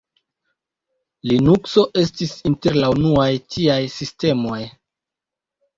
Linukso estis inter la unuaj tiaj sistemoj.